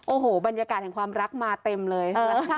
โอ้โหบรรยากาศแห่งความรักมาเต็มเลย